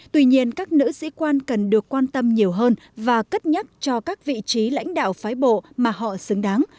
tuy nhiên các nữ sĩ quan cần được quan tâm nhiều hơn và cất nhắc cho các vị trí lãnh đạo phái bộ mà họ xứng đáng